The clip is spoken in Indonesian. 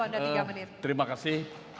panelis yang selalu berterima kasih